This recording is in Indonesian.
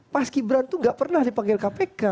mas gibran itu gak pernah dipanggil kpk